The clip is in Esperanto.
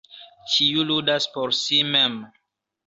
Ĉiu ludas por si mem.